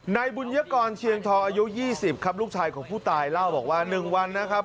นายบุญยกรเชียงทองอายุ๒๐ครับลูกชายของผู้ตายเล่าบอกว่า๑วันนะครับ